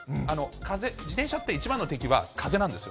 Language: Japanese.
風、自転車って、一番の敵は風なんですよ。